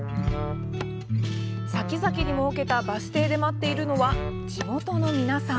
さきざきに設けたバス停で待っているのは、地元の皆さん。